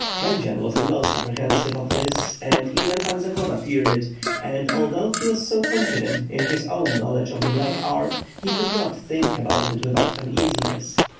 Jendzian was the most apprehensive of this and even Pan Zagloba feared it; and, although he was so con fident in his own knowledge of the black art, he could not think about it without uneasiness.